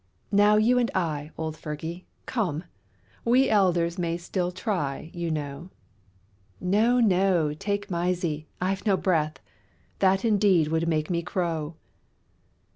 Now you and I, old Fergie, come, We elders may still try, you know, No, no ! take Mysie, I've no breath, That indeed would make me crow